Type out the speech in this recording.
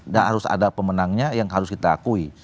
dan harus ada pemenangnya yang harus kita akui